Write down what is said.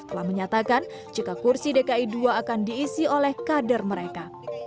telah menyatakan jika kursi dki ii akan diisi oleh kader mereka